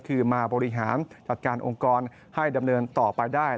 คือมาบริหารจัดการองค์กรให้ดำเนินต่อไปได้